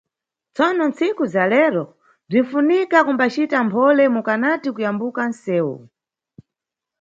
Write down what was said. Tsono ntsiku za lero, bzinʼfunika kumbacita mphole mukanati kuyambuka nʼsewu.